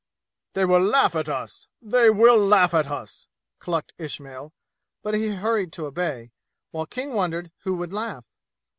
"They will laugh at us! They will laugh at us!" clucked Ismail, but he hurried to obey, while King wondered who would laugh.